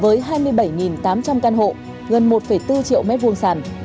với hai mươi bảy tám trăm linh căn hộ gần một bốn triệu m hai sàn